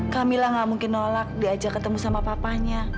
kamila nggak mungkin nolak diajak ketemu sama papanya